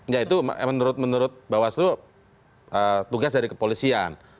ya itu menurut bawaslu tugas dari kepolisian